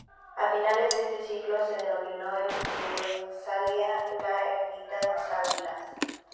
A finales de este siglo se demolió en Fuensalida la ermita de san Blas.